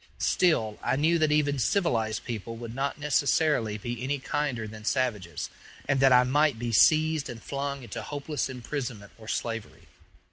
Still, I knew that even civilized people would not necessarily be any kinder than savages, and that I might be seized and flung into hopeless imprisonment or slavery.